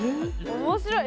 面白い。